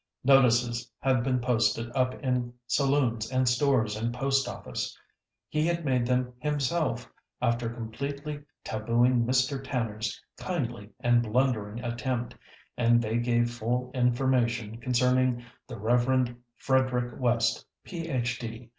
Notices had been posted up in saloons and stores and post office. He had made them himself after completely tabooing Mr. Tanner's kindly and blundering attempt, and they gave full information concerning "the Rev. Frederick West, Ph.D.